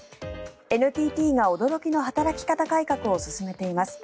ＮＴＴが驚きの働き方改革を進めています。